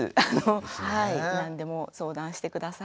何でも相談して下さい。